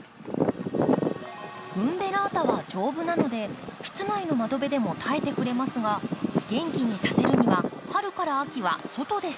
ウンベラータは丈夫なので室内の窓辺でも耐えてくれますが元気にさせるには春から秋は外で育てます。